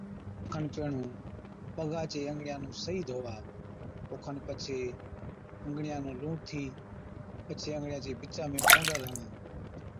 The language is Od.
ڪُلان کن پيهڻُون پگان چي انگڙِيان نُون صحِيح ڌووا او کن پڇي انگڙِيان نُون لُوهٿِي پڇي انگڙِيان چي بِچا ۾ پونڊر هڻا۔